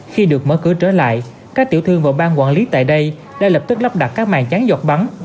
khi được mở cửa trở lại các tiểu thương và bang quản lý tại đây đã lập tức lắp đặt các màn tráng giọt bắn